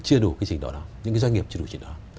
chưa đủ cái trình độ đó những doanh nghiệp chưa đủ trình độ đó